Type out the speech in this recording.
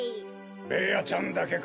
ベーヤちゃんだけか？